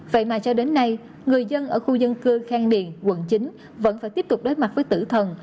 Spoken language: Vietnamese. vậy mà cho đến nay người dân ở khu dân cư khang điền quận chín vẫn phải tiếp tục đối mặt với tử thần